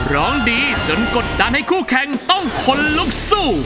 ร้องดีจนกดดันให้คู่แข่งต้องขนลุกสู้